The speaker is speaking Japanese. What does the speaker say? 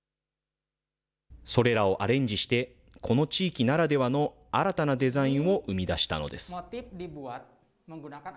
それらをアレンジしてこの地域ならではの新たなデザインを生み出したのです。